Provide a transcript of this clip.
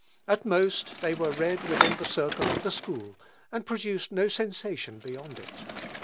At most, they were read within the circle of the school, and produced no sensation beyond it.